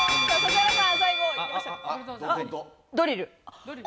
ドリル。